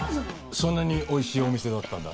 そんなにおいしいお店だったんだ。